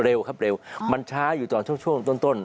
เร็วครับเร็วมันช้าอยู่ตอนช่วงต้น